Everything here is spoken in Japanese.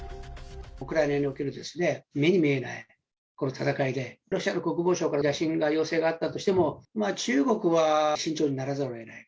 ウクライナにおける目に見えない戦いで、ロシアの国防省から打診、要請があったとしても、中国は慎重にならざるをえない。